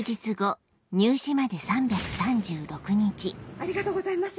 ありがとうございます！